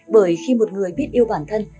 bởi khi một người biết yêu bản thân